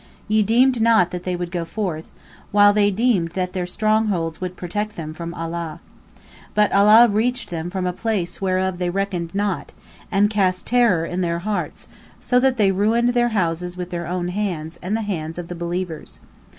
Ye deemed not that they would go forth, while they deemed that their strongholds would protect them from Allah. But Allah reached them from a place whereof they reckoned not, and cast terror in their hearts so that they ruined their houses with their own hands and the hands of the believers.